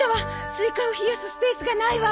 スイカを冷やすスペースがないわ。